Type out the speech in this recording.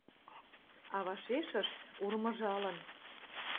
А вашешышт, урмыжалын